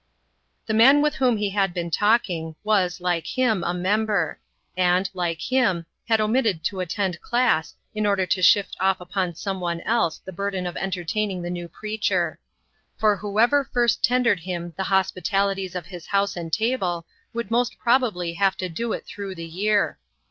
The man with whom he had been talking, was, like him, a member; and, like him, had omitted to attend class, in order to shift off upon some one else the burden of entertaining the new preacher; for whoever first tendered him the hospitalities of his house and table would most probably have to do it through the year.